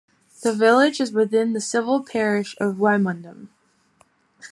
The village is within the civil parish of Wymondham.